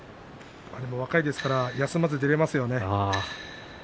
若いから休まずに出られますよね。